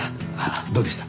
どうでした？